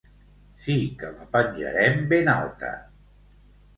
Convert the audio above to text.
Sí que la penjarem ben alta!